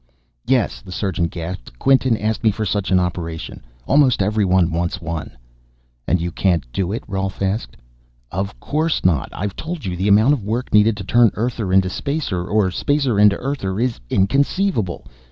"Yes," the surgeon gasped. "Quinton asked me for such an operation. Almost everyone wants one." "And you can't do it?" Rolf asked. "Of course not. I've told you: the amount of work needed to turn Earther into Spacer or Spacer into Earther is inconceivable.